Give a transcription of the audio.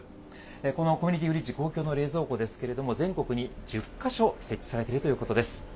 このコミュニティフリッジ、公共の冷蔵庫ですけれども、全国に１０か所設置されているということです。